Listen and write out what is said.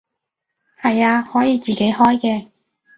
係啊，可以自己開嘅